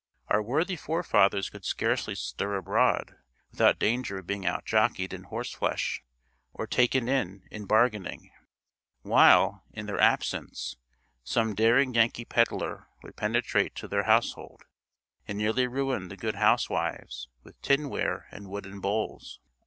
Our worthy forefathers could scarcely stir abroad without danger of being outjockeyed in horseflesh, or taken in in bargaining; while, in their absence, some daring Yankee pedlar would penetrate to their household, and nearly ruin the good housewives with tinware and wooden bowls.